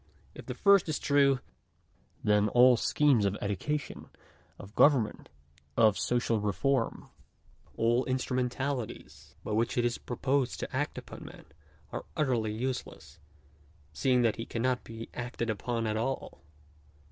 If the first is true, then all schemes of education, of government, of social reform — all instrumentalities by which it is proposed to act upon man, are utterly useless, seeing that he cannot be acted upon at all.